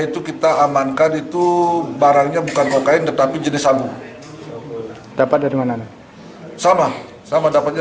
itu kita amankan itu barangnya bukan mau kain tetapi jenis abu dapat dari mana sama sama dapatnya